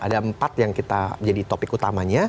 ada empat yang kita jadi topik utamanya